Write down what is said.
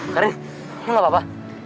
karin lu gak apa apa